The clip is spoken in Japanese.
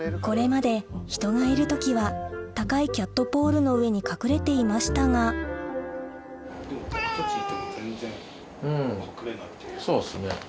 これまで人がいる時は高いキャットポールの上に隠れていましたがそうですね。